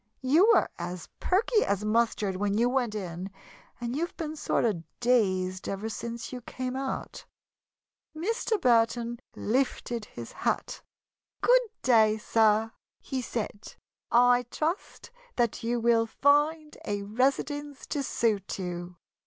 You were as perky as mustard when you went in and you've been sort of dazed ever Since you came out." Mr. Burton lifted his hat. "Good day, sir!" he said. "I trust that you will find a residence to suit you."